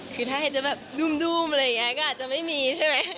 คือถ้าเห็นจะแบบดุ่มอะไรอย่างนี้ก็อาจจะไม่มีใช่ไหม